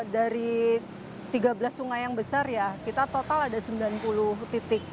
dari tiga belas sungai yang besar ya kita total ada sembilan puluh titik